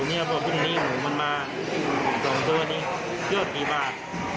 เพราะว่าพรุ่งนี้หมูมันมา๒ตัวนี้โยชน์กี่บาท